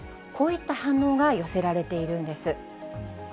こういった反応が寄せられているんです。